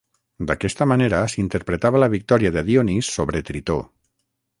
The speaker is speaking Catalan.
D'aquesta manera s'interpretava la victòria de Dionís sobre Tritó.